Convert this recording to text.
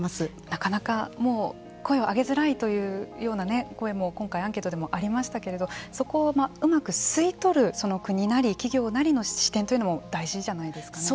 なかなか声を上げづらいというような声も今回アンケートでもありましたけれどもそこをうまく吸い取るその国なり企業なりの視点というのも大事じゃないですかね。